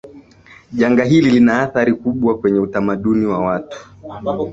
janga hili lina athari kubwa kwwnye utamaduni wa watu